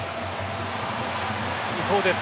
伊東です。